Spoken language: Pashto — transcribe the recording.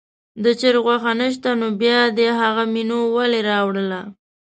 د چرګ غوښه نه شته نو بیا دې هغه مینو ولې راوړله.